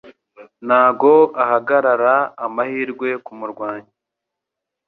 Ntabwo ahagarara amahirwe kumurwanya